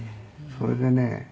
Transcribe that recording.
それでね